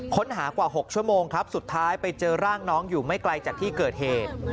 ค้นหากว่า๖ชั่วโมงครับสุดท้ายไปเจอร่างน้องอยู่ไม่ไกลจากที่เกิดเหตุ